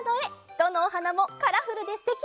どのおはなもカラフルですてき！